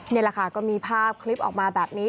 นี่แหละค่ะก็มีภาพคลิปออกมาแบบนี้